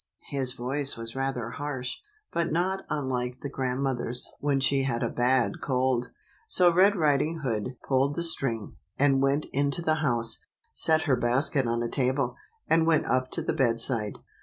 His voice was rather harsh, but not unlike the grandmother's when she had a bad cold. So Red Riding Hood pulled the string, and went into the house, set her basket on a table, and went up to the bed side.